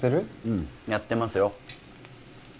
うんやってますよ